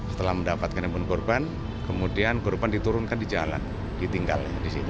setelah mendapatkan handphone korban kemudian korban diturunkan di jalan ditinggal di situ